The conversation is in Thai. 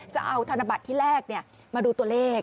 จะเอาธนบัตรที่แรกมาดูตัวเลข